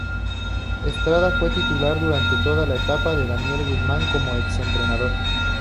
Estrada fue titular durante toda la etapa de Daniel Guzmán como ex entrenador.